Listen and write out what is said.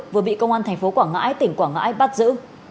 vừa bị công an tp quảng ngãi tỉnh quảng ngãi bắt giữ